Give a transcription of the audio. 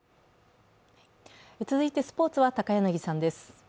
続いてスポーツは高柳さんです。